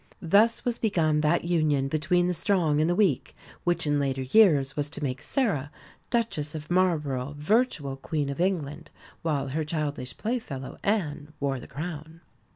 Thus was begun that union between the strong and the weak, which in later years was to make Sarah, Duchess of Marlborough, virtual Queen of England, while her childish playfellow, Anne, wore the crown.